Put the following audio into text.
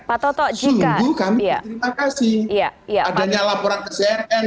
adanya laporan ke cnn